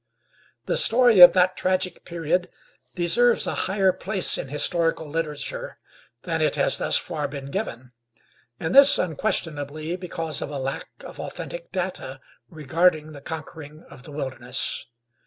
The story of that tragic period deserves a higher place in historical literature than it has thus far been given, and this unquestionably because of a lack of authentic data regarding the conquering of the wilderness.